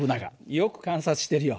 よく観察してるよ。